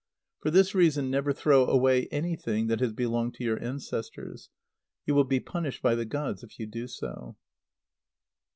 For this reason never throw away anything that has belonged to your ancestors. You will be punished by the gods if you do so.